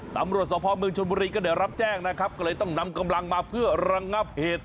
ตำรวจสภเมืองชนบุรีก็ได้รับแจ้งนะครับก็เลยต้องนำกำลังมาเพื่อระงับเหตุ